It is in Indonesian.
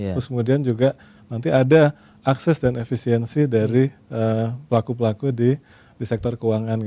terus kemudian juga nanti ada akses dan efisiensi dari pelaku pelaku di sektor keuangan